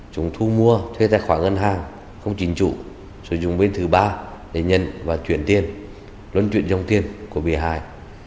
chúng thu mua thuê tài khoản ngân hàng không chính chủ sử dụng bên thứ ba để nhận và chuyển tiền luân chuyển dòng tiền của bị hại